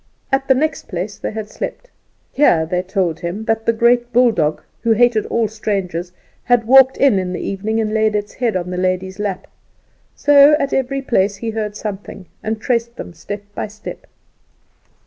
At the next place they had slept. Here they told him that the great bulldog, who hated all strangers, had walked in in the evening and laid its head in the lady's lap. So at every place he heard something, and traced them step by step.